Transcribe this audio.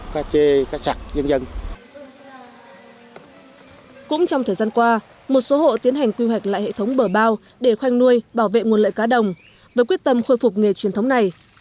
cũng trong thời gian qua một số hộ tiến hành quy hoạch lại hệ thống bờ bao để khoanh nuôi bảo vệ nguồn lợi cá đồng với quyết tâm khôi phục nghề truyền thống này